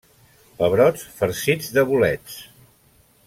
Pebrots farcits de bolets.